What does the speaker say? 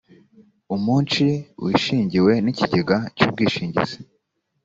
umunshi wishingiwe n’ikigega cy’ubwishingizi